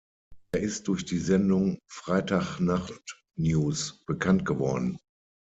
Er ist durch die Sendung "Freitag Nacht News" bekannt geworden.